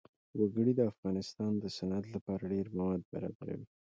وګړي د افغانستان د صنعت لپاره ډېر مواد برابروي.